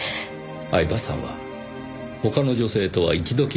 饗庭さんは他の女性とは一度きりの関係でした。